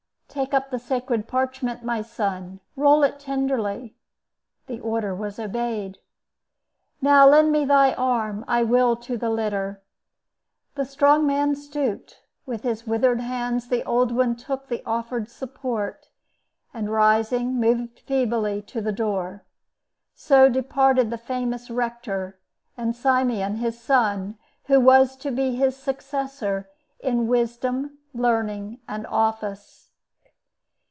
"Take up the sacred parchment, my son; roll it tenderly." The order was obeyed. "Now lend me thy arm; I will to the litter." The strong man stooped; with his withered hands the old one took the offered support, and, rising, moved feebly to the door. So departed the famous Rector, and Simeon, his son, who was to be his successor in wisdom, learning, and office.